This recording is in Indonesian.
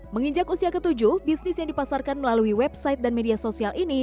menginjak usia ke tujuh bisnis yang dipasarkan melalui website dan media sosial ini